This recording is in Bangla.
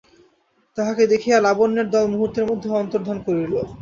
তাহাকে দেখিয়া লাবণ্যের দল মুহূর্তের মধ্যে অন্তর্ধান করিল।